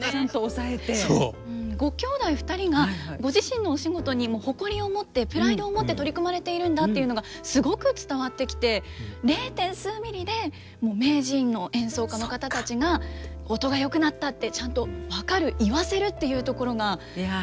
ご兄弟２人がご自身のお仕事に誇りを持ってプライドを持って取り組まれているんだっていうのがすごく伝わってきて０．数ミリで名人の演奏家の方たちが「音がよくなった」ってちゃんと分かる言わせるっていうところがプロだなという。